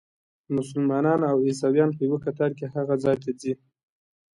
مسلمانان او عیسویان په یوه کتار کې هغه ځای ته ځي.